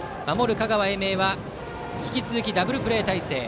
香川・英明は引き続きダブルプレー態勢。